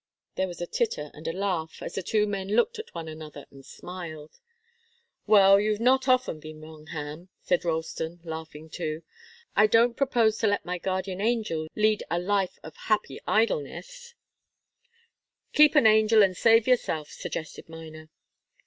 '" There was a titter and a laugh, as the two men looked at one another and smiled. "Well, you've not often been wrong, Ham," said Ralston, laughing too. "I don't propose to let my guardian angel lead a life of happy idleness " "Keep an angel, and save yourself," suggested Miner.